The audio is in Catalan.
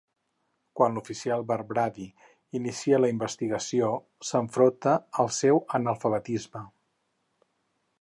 Quan l'oficial Barbrady inicia la investigació, s'enfronta al seu analfabetisme.